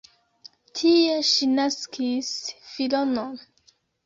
Tie ŝi naskis filinon.